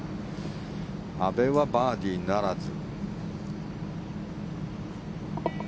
阿部はバーディーならず。